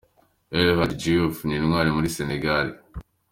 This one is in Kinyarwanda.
El Hadji Diouf ni intwari muri Senegal.